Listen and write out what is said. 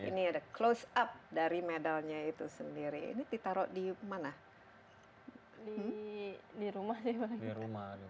ini ada close up dari medalnya itu sendiri ini ditaruh di mana di di rumahnya di mana